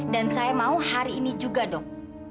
dan saya mau hari ini juga dok